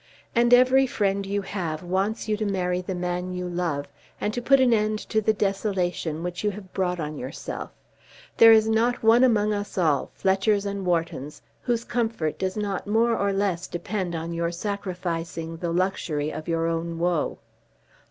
And every friend you have wants you to marry the man you love and to put an end to the desolation which you have brought on yourself. There is not one among us all, Fletchers and Whartons, whose comfort does not more or less depend on your sacrificing the luxury of your own woe."